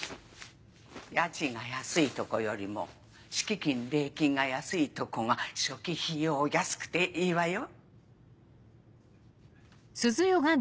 家賃が安いとこよりも敷金礼金が安いとこが初期費用安くていいわよ。